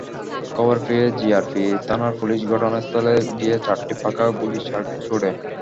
খবর পেয়ে জিআরপি থানার পুলিশ ঘটনাস্থলে গিয়ে চারটি ফাঁকা গুলি ছোড়ে।